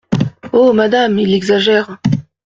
Oh ! madame, il exagère !